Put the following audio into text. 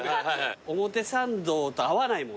表参道と合わないもんね